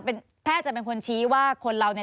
เป็นแพทย์จะเป็นคนชี้ว่าคนเราเนี่ย